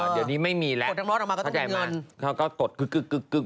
เดี๋ยวนี้ไม่มีแล้วเข้าใจมาเขาก็ตดคึก